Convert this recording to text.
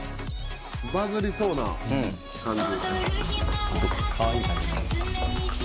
バズりそうな感じ。